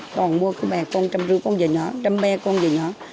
còn mua cái bè con trăm rưu con dài nhỏ trăm be con dài nhỏ